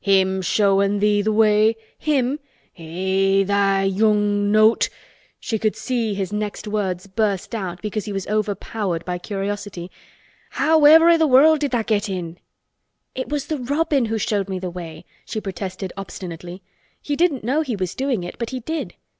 Him showin' thee th' way! Him! Eh! tha' young nowt"—she could see his next words burst out because he was overpowered by curiosity—"however i' this world did tha' get in?" "It was the robin who showed me the way," she protested obstinately. "He didn't know he was doing it but he did.